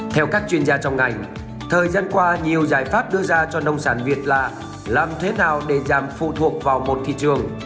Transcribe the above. theo các chuyên gia trong ngành thời gian qua nhiều giải pháp đưa ra cho nông sản việt là làm thế nào để giảm phụ thuộc vào một thị trường